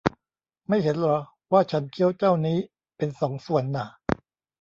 ไม่เห็นหรอว่าฉันเคี้ยวเจ้านี้เป็นสองส่วนน่ะ